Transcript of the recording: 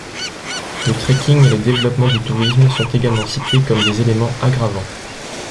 Le trekking et le développement du tourisme sont également cités comme des éléments aggravants.